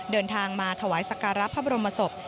เดินทางมาถวายสการะพระบรมศพ